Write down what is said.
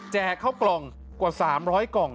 เข้ากล่องกว่า๓๐๐กล่อง